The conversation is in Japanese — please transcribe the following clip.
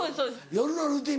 夜のルーティン